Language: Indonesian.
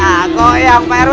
aku yang prw